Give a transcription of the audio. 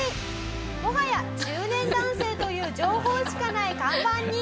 もはや「中年男性」という情報しかない看板に。